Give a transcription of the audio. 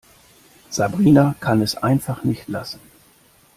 Sabrina kann es einfach nicht lassen.